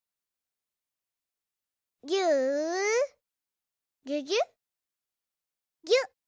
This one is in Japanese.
ぎゅぎゅぎゅっぎゅ。